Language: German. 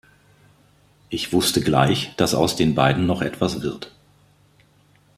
Ich wusste gleich, dass aus den beiden noch etwas wird.